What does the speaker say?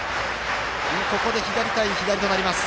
ここで左対左となります。